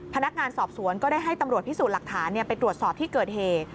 พนักงานสอบสวนก็ได้ให้ตำรวจพิสูจน์หลักฐานไปตรวจสอบที่เกิดเหตุ